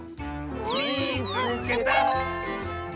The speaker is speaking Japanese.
「みいつけた！」。